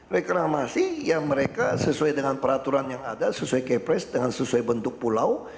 reklamasi yang mereka sesuai dengan peraturan yang ada sesuai kepres dengan sesuai bentuk pulau